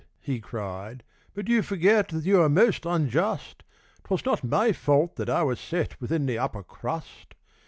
he cried, 'but you forget That you are most unjust; 'Twas not my fault that I was set Within the upper crust.